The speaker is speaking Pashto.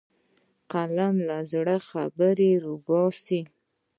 قلم له زړه خبرې راوباسي